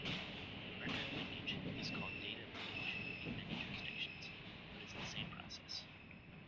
Record linkage is called data linkage in many jurisdictions, but is the same process.